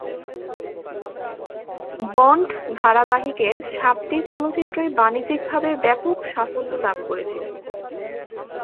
Bond ধারাবাহিকের সাতটি চলচ্চিত্রই বাণিজ্যিকভাবে ব্যাপক সাফল্য লাভ করেছিল।